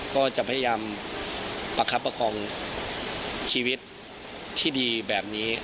ก็จะพยายามประคับประคองชีวิตที่ดีแบบนี้